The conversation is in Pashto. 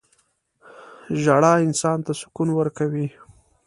• ژړا انسان ته سکون ورکوي.